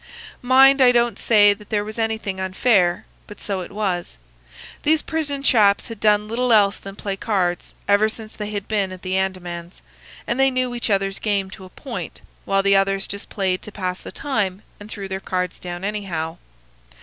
Mind, I don't say that there was anything unfair, but so it was. These prison chaps had done little else than play cards ever since they had been at the Andamans, and they knew each other's game to a point, while the others just played to pass the time and threw their cards down anyhow.